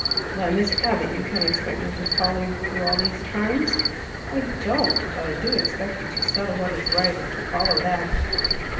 Why, Miss Abbott, you can't expect me to follow you through all these turns " "I don't! But I do expect you to settle what is right and to follow that.